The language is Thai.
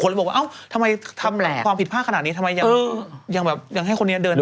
คนนั้นก็บอกว่าทำไมทำความผิดผ้าขนาดนี้ทำไมยังแบบยังให้คนนี้เดินไป